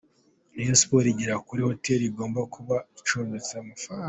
Rayon Sports igera kuri hoteli igomba kuba icumbitsemo.